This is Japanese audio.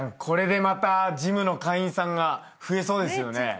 これでまたジムの会員さんが増えそうですよね。